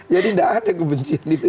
jadi tidak ada kebencian itu